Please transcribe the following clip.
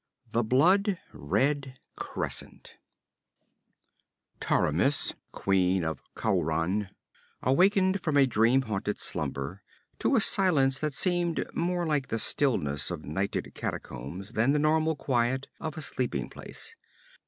] 1 The Blood Red Crescent Taramis, queen of Khauran, awakened from a dream haunted slumber to a silence that seemed more like the stillness of nighted catacombs than the normal quiet of a sleeping palace.